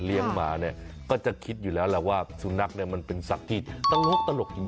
มาเนี่ยก็จะคิดอยู่แล้วแหละว่าสุนัขเนี่ยมันเป็นสัตว์ที่ตลกจริง